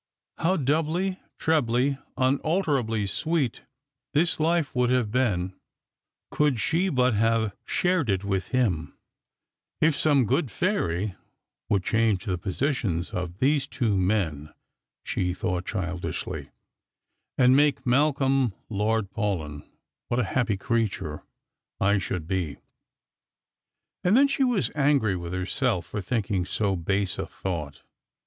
How doubly, trebly, unutterably sweet this life would have been could she but have shared it with him !'* If some good fairy would change the positions of these two men," she thought childishly, " and make Malcolm Lord Paulyn, what a ha])})y creature I should be !" And then she was angry with herself for thinking so base a thought.